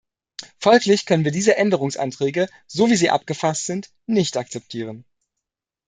Folglich können wir diese Änderungsanträge, so wie sie abgefasst sind, nicht akzeptieren.